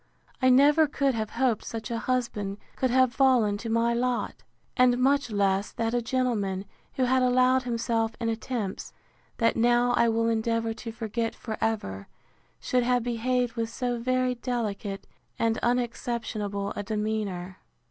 I never could have hoped such a husband could have fallen to my lot: and much less, that a gentleman, who had allowed himself in attempts, that now I will endeavour to forget for ever, should have behaved with so very delicate and unexceptionable a demeanour.